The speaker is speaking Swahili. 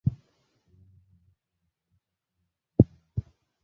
viazi lishe hurekebisha mfumo wa upumuaji